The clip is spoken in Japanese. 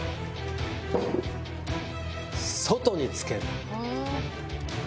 外に付ける。